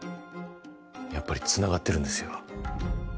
やっぱりつながってるんですよ